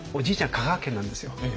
香川県なんですよ。